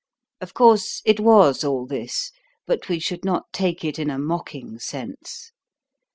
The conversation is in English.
Of course, it was all this, but we should not take it in a mocking sense.